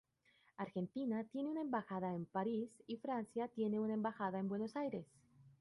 Argentina tiene una embajada en París y Francia tiene una embajada en Buenos Aires.